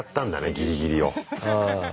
ギリギリを。